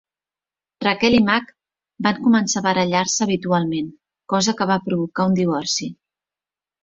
Rachel i Mac van començar a barallar-se habitualment, cosa que va provocar un divorci.